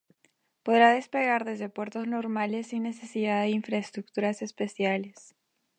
Podrá despegar desde puertos normales sin necesidad de infraestructuras especiales.